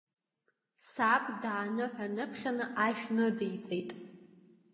Саб дааныҳәаныԥхьаны ашә ныдиҵеит.